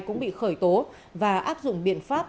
cũng bị khởi tố và áp dụng biện pháp